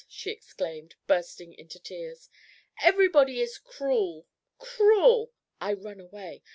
she exclaimed, bursting into tears. "Everybody is cruel, cruel! I'll run away!